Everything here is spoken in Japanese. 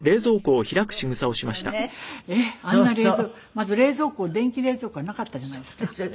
まず冷蔵庫電気冷蔵庫がなかったじゃないですか。